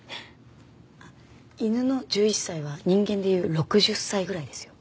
犬の１１歳は人間でいう６０歳ぐらいですよ。